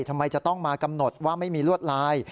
ทำไมจะต้องมากำหนดว่าไม่มีลวดลาย